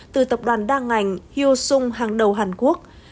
từ tập đoàn đa ngành hyosung hàng đầu hàn quốc